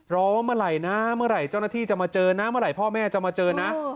ว่าเมื่อไหร่นะเมื่อไหร่เจ้าหน้าที่จะมาเจอนะเมื่อไหร่พ่อแม่จะมาเจอนะ